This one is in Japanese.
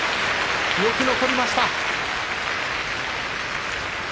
よく残りました。